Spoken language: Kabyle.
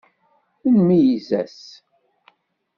Nmeyyez-as.